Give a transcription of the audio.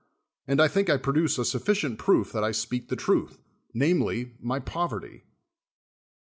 And I think I produce a sufficient proof that I speak the truth, namely, my poverty.